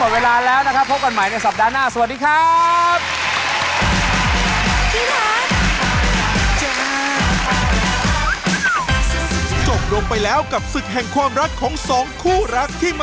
วันนี้หมดเวลาแล้วนะครับ